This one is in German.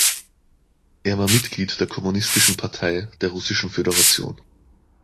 Er war Mitglied der Kommunistischen Partei der Russischen Föderation.